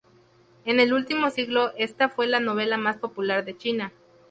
En el último siglo, esta fue la novela más popular de China.